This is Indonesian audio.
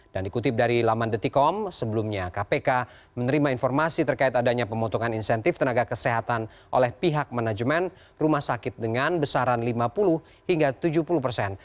dan dikutip dari laman detikom sebelumnya kpk menerima informasi terkait adanya pemotongan insentif tenaga kesehatan oleh pihak manajemen rumah sakit dengan besaran lima puluh hingga tujuh puluh persen